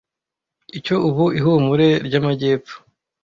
icyo ubu ihumure ryamajyepfo